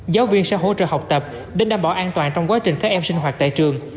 giáo viên sẽ hỗ trợ học tập để đảm bảo an toàn trong quá trình các em sinh hoạt tại trường